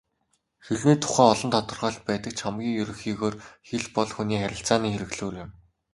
Хэлний тухай олон тодорхойлолт байдаг ч хамгийн ерөнхийгөөр хэл бол хүний харилцааны хэрэглүүр юм.